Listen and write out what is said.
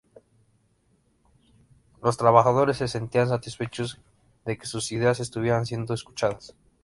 Los trabajadores se sentían satisfechos de que sus ideas estuvieran siendo escuchadas.